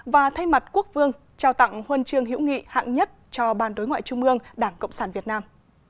và thay mặt quốc vương trao tặng huân chương hữu nghị hạng nhất cho ban đối ngoại trung ương đảng cộng sản việt nam